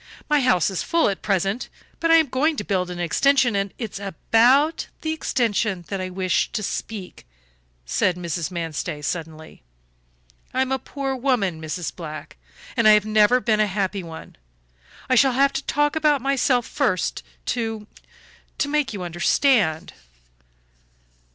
"My house is full at present, but I am going to build an extension, and " "It is about the extension that I wish to speak," said Mrs. Manstey, suddenly. "I am a poor woman, Mrs. Black, and I have never been a happy one. I shall have to talk about myself first to to make you understand."